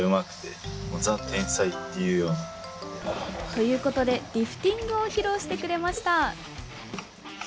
ということでリフティングを披露してくれました！